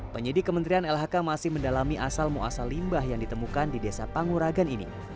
penyidik kementerian lhk masih mendalami asal muasal limbah yang ditemukan di desa panguragan ini